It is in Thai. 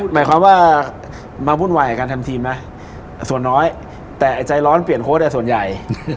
หมายความว่ามาวุ่นวายกับการทำทีมไหมส่วนน้อยแต่ใจร้อนเปลี่ยนโค้ชส่วนใหญ่